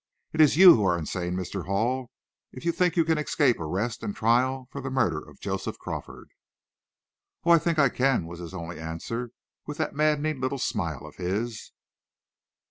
It is you who are insane, Mr. Hall, if you think you can escape arrest and trial for the murder of Joseph Crawford." "Oh, I think I can," was his only answer, with that maddening little smile of his.